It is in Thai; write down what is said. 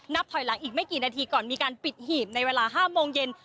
ถอยหลังอีกไม่กี่นาทีก่อนมีการปิดหีบในเวลา๕โมงเย็น